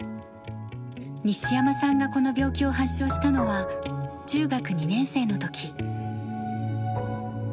西山さんがこの病気を発症したのは中学２年生のとき。